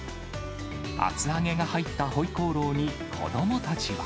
厚揚げが入った回鍋肉に子どもたちは。